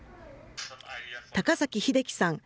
高崎英樹さん。